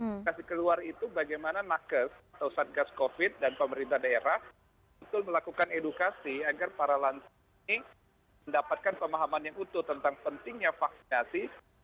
edukasi keluar itu bagaimana nakes atau satgas covid dan pemerintah daerah betul melakukan edukasi agar para lansia ini mendapatkan pemahaman yang utuh tentang pentingnya vaksinasi